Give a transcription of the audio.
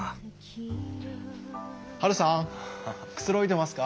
ハルさんくつろいでますか？